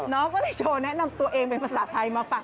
ก็ได้โชว์แนะนำตัวเองเป็นภาษาไทยมาฝาก